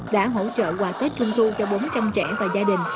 đã hỗ trợ quà tết trung thu cho bốn trăm linh trẻ và gia đình